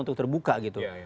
untuk terbuka gitu